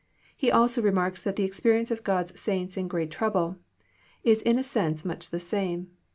— He also remarks that the experience of God's saints in great trouble, is in a sense much the same.